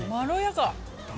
まろやか！